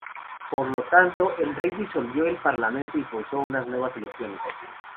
Por lo tanto, el rey disolvió el Parlamento y forzó unas nuevas elecciones.